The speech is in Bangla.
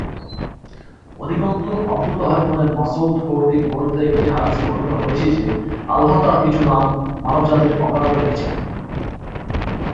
অধিকন্তু আব্দুল্লাহ ইবনে মাসউদ কর্তৃক বর্ণিত একটা হাদিসে বর্ণিত হয়েছে যে, আল্লাহ্ তার কিছু নাম মানবজাতির অজ্ঞাত রেখেছেন।